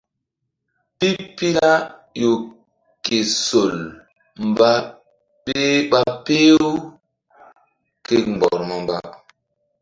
Pipila ƴo ke sol ɓa peh-u ke mgbɔr mba-mba.